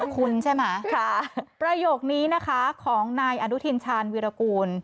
คุ้นใช่ไหมค่ะประโยคนี้นะคะของนายอนุทินชาญวิรากูล